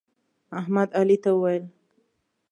احمد علي ته وویل: